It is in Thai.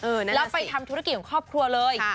เออนั่นสิแล้วไปทำธุรกิจของครอบครัวเลย